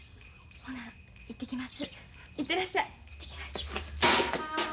ほな行ってきます。